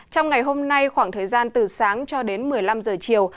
trong ngày hôm nay khoảng thời gian từ sáng cho đến một mươi năm giờ chiều